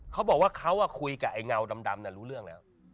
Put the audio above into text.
เขาบอกว่าเขาคุยกับไอ้เงาดำรู้เรื่องแล้ว